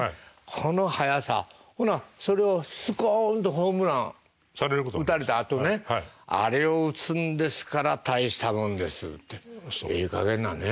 この速さほなそれをスコンとホームラン打たれたあとねあれを打つんですから大したもんですってええかげんなね。